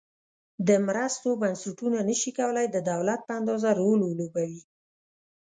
د مرستو بنسټونه نشي کولای د دولت په اندازه رول ولوبوي.